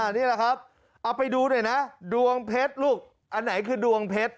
นี่แหละครับเอาไปดูหน่อยนะดวงเพชรลูกอันไหนคือดวงเพชร